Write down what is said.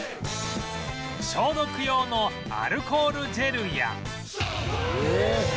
消毒用のアルコールジェルや